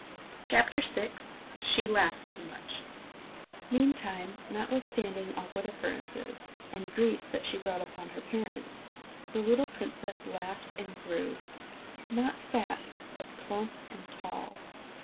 VI She Laughs Too Much Meantime, notwithstanding awkward occurrences, and griefs that she brought upon her parents, the little princess laughed and grew not fat, but plump and tall.